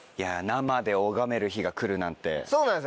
生で拝める日が来るなんて。